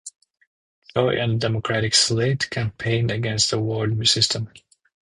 Choi and the Democratic slate campaigned against the ward system.